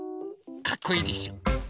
かっこいいでしょ！